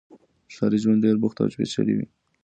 ښاري ژوند ډېر بوخت او پېچلی وي.